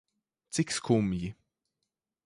Cik skumji.